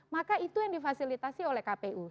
maka itu yang difasilitasi oleh kpu